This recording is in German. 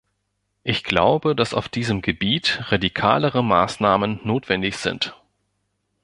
Ich glaube, dass auf diesem Gebiet radikalere Maßnahmen notwendig sind.